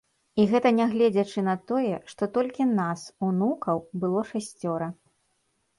І гэта нягледзячы на тое, што толькі нас, унукаў, было шасцёра.